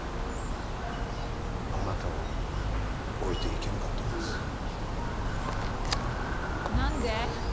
あなたを置いていけなかったのです何で？